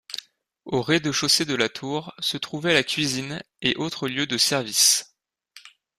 Au rez-de-chaussée de la tour se trouvaient la cuisine et autres lieux de services.